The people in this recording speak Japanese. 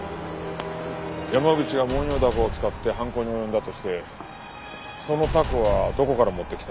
山口がモンヨウダコを使って犯行に及んだとしてそのタコはどこから持ってきたんだ？